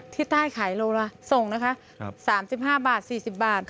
ที่ใต้ขายโลละส่งนะคะ๓๕บาท๔๐บาท